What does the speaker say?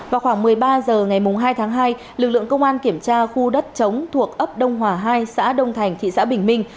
vào khoảng một mươi ba h ngày hai tháng hai lực lượng công an kiểm tra khu đất chống thuộc ấp đông hòa hai xã đông thành thị xã bình minh